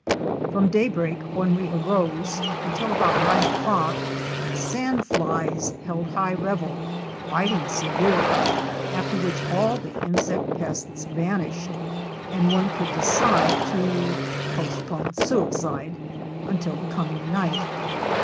From daybreak when we arose until about nine o'clock sand flies held high revel, biting severely, after which all the insect pests vanished and one could decide to postpone suicide until the coming night!